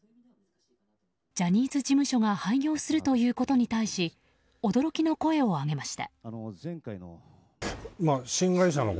ジャニーズ事務所が廃業するということに対し驚きの声をあげました。